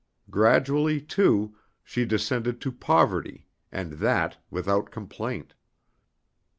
Gradually, too, she descended to poverty and that without complaint.